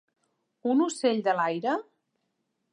Un ocell de l'aire?